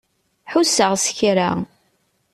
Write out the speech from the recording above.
Ḥusseɣ s kra.